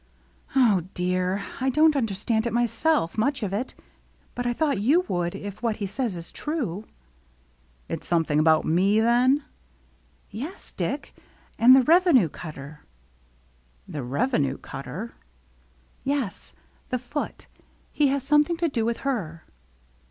"O dear, I don't understand it myself, much of it ; but I thought you would if what he says is true." " It's something about me, then ?" "Yes, Dick, — and the revenue cutter." "The revenue cutter?" "Yes, the Foote. He has something to do with her."